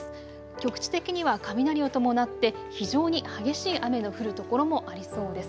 局地的には雷を伴って非常に激しい雨の降る所もありそうです。